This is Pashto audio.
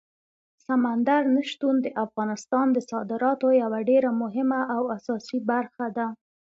سمندر نه شتون د افغانستان د صادراتو یوه ډېره مهمه او اساسي برخه ده.